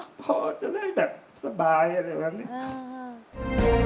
พ่อจะได้แบบสบายอะไรแบบนี้